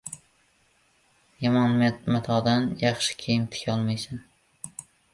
• Yomon matodan yaxshi kiyim tikolmaysan.